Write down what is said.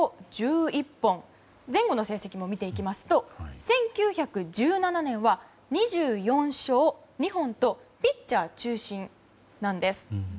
前後の成績も見ていきますと１９１７年は２４勝２本とピッチャー中心なんです。